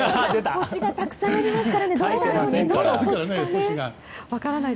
星がたくさんありますからどれだろうってね。